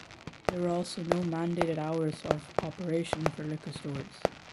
There were also no mandated hours of operation for liquor stores.